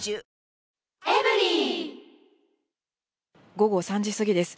午後３時過ぎです。